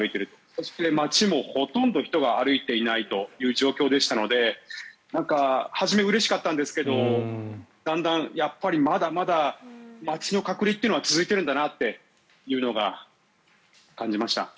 そして、街もほとんど人が歩いていない状況でしたので初め、うれしかったんですけどだんだん、やっぱりまだまだ街の隔離というのは続いているんだなというのを感じました。